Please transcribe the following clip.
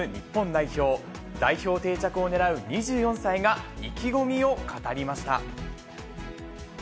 代表定着をねらう、２４歳が意気込みを語りました。